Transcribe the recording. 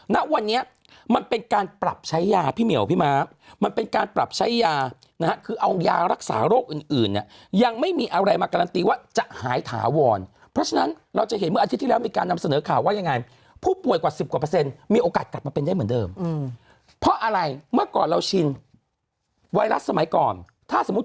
ณวันนี้มันเป็นการปรับใช้ยาพี่เหมียวพี่ม้ามันเป็นการปรับใช้ยานะฮะคือเอายารักษาโรคอื่นอื่นเนี่ยยังไม่มีอะไรมาการันตีว่าจะหายถาวรเพราะฉะนั้นเราจะเห็นเมื่ออาทิตย์ที่แล้วมีการนำเสนอข่าวว่ายังไงผู้ป่วยกว่าสิบกว่าเปอร์เซ็นต์มีโอกาสกลับมาเป็นได้เหมือนเดิมเพราะอะไรเมื่อก่อนเราชินไวรัสสมัยก่อนถ้าสมมุติ